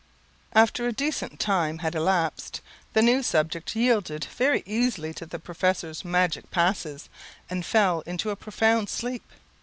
After a decent time had elapsed, the new subject yielded very easily to the professor's magic passes, and fell into a profound sleep.